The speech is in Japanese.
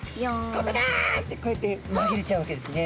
「ここだ」ってこうやってまぎれちゃうわけですね。